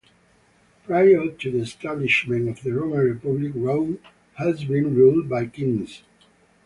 Prior to the establishment of the Roman Republic, Rome had been ruled by kings.